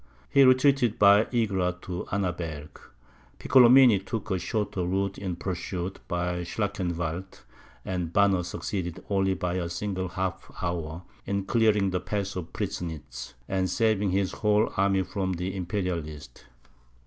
He retreated by Egra to Annaberg; Piccolomini took a shorter route in pursuit, by Schlakenwald; and Banner succeeded, only by a single half hour, in clearing the Pass of Prisnitz, and saving his whole army from the Imperialists.